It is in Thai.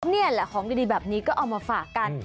นี่แหละของดีแบบนี้ก็เอามาฝากกัน